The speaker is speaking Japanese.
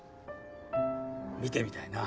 見てみたいな。